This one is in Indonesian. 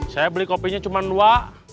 saya beli kopinya cuma dua